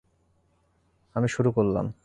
আমি শুরু করলাম।